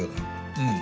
うん。